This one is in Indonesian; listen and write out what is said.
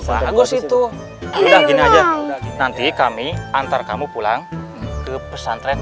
bagus itu udah gini aja nanti kami antar kamu pulang ke pesantren